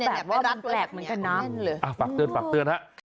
ก็แบบว่ามันแปลกเหมือนกับน้ำอ่าฝากเตือนฝากเตือนครับ